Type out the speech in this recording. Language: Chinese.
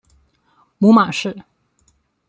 母马氏。